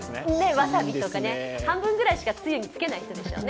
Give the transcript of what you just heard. わさびとかね、半分くらいしかつゆにつけない人でしょうね。